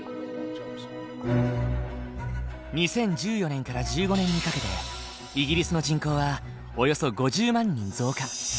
２０１４年から２０１５年にかけてイギリスの人口はおよそ５０万人増加。